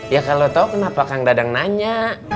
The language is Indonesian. ya kalau tahu kenapa kang dadang nanya